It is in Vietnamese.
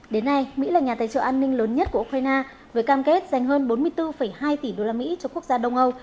đến nay mỹ là nhà tài trợ an ninh lớn nhất của ukraine với cam kết dành hơn bốn mươi bốn hai tỷ usd cho quốc gia đông âu